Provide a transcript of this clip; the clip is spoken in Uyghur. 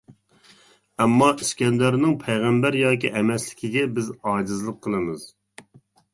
ئەمما ئىسكەندەرنىڭ پەيغەمبەر ياكى ئەمەسلىكىگە بىز ئاجىزلىق قىلىمىز.